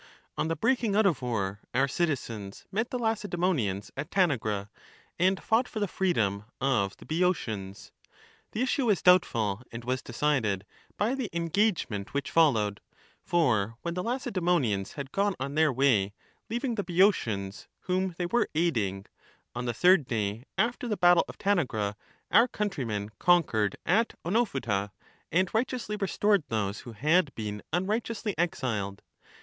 On the breaking out of war, our citizens met the Lacedaemonians at Tanagra, and fought for the freedom of the Boeotians ; the issue was doubtful, and was decided by the engagement which followed. For when the Lacedaemo Tanagra; nians had gone on their way, leaving the Boeotians, whom °en°Phyta they were aiding, on the third day after the battle of Tanagra, our countrymen conquered at Oenophyta, and righteously restored those who had been unrighteously exiled.